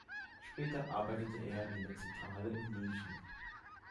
Später arbeitete er in der Zentrale in München.